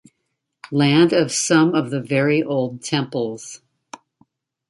Land of some of the very old temples.